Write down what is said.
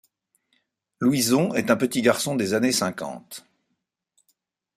Louison est un petit garçon des années cinquante.